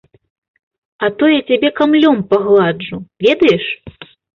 А то я цябе камлём пагладжу, ведаеш?